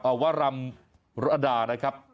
เอาว่ารำรดานะครับ